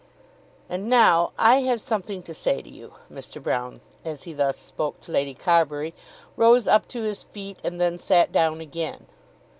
"And now I have something to say to you." Mr. Broune as he thus spoke to Lady Carbury rose up to his feet and then sat down again.